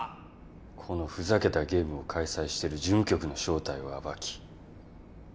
このふざけたゲームを開催してる事務局の正体を暴きそしてつぶす。